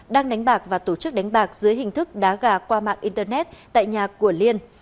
đang đánh bạc và tổ chức đánh bạc dưới hình thức đá gà qua mạng internet tại nhà của liên